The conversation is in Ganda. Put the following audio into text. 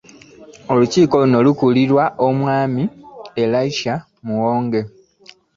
Olukiiko luno lukulirwa omwami Elayisha Muwonge